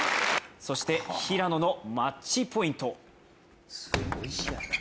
そして平野のマッチポイント。